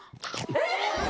えっ！